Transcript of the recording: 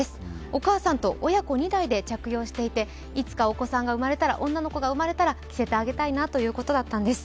お母さんと親子２代で着用していていつか女の子が生まれたら着せてあげたいなということだったんです。